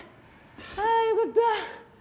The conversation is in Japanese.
ああよかった。